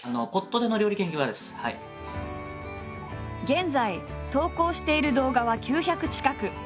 現在投稿している動画は９００近く。